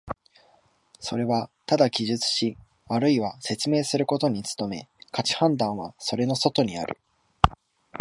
それはただ記述しあるいは説明することに努め、価値判断はそれの外にある。